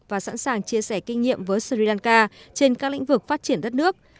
và sẵn sàng chia sẻ kinh nghiệm với sri lanka trên các lĩnh vực phát triển đất nước